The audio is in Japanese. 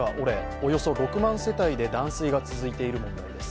およそ６万世帯で断水が続いている問題です。